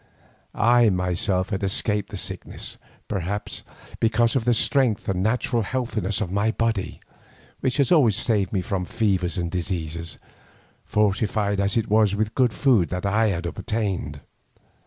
I myself had escaped the sickness, perhaps because of the strength and natural healthiness of my body, which has always saved me from fevers and diseases, fortified as it was by the good food that I had obtained.